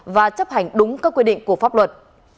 và chấp hành đúng các quy định của pháp luật